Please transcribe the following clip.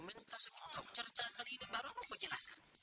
mentos itu cerita kali ini baru aku jelaskan